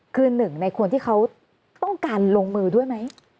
คือหนึ่งในคนที่เขาต้องการลงมือด้วยไหม